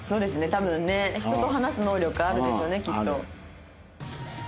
多分人と話す能力あるでしょうねきっと。